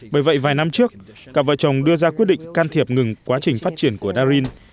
bởi vậy vài năm trước cặp vợ chồng đưa ra quyết định can thiệp ngừng quá trình phát triển của darin